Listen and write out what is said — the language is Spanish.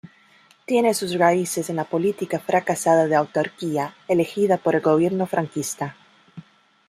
Tiene sus raíces en la política fracasada de autarquía elegida por el gobierno franquista.